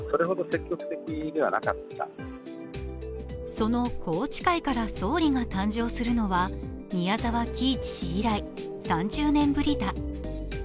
その宏池会から総理が誕生するのは宮沢喜一氏以来３０年ぶりだ。